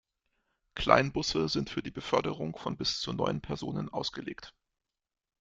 Kleinbusse sind für die Beförderung von bis zu neun Personen ausgelegt.